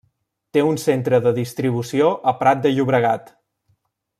Té un centre de distribució a Prat de Llobregat.